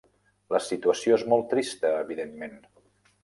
La situació és molt trista evidentment.